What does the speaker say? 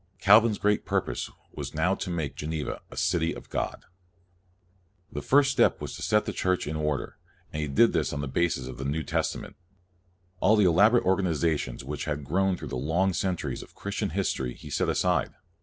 Calvin's great purpose was now to make Geneva a City of God. The first step was to set the Church in or der, and this he did on the basis of the New Testament. All the elaborate organiza tions which had grown through the long centuries of Christian history, he set aside.